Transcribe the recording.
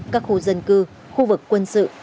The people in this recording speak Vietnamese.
các khu dân cư khu vực quân sự